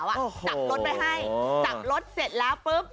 จับรถไปให้จับรถเสร็จแล้วปุ๊บ